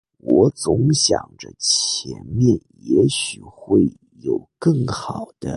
我总想着前面也许会有更好的